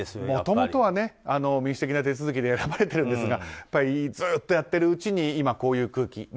もともとは民主的な手続きで選ばれているんですがずっとやってるうちに今こういう空気。